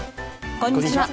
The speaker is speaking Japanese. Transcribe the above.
こんにちは。